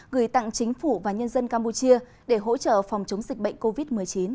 gửi tặng chính phủ và nhân dân campuchia để hỗ trợ phòng chống dịch bệnh covid một mươi chín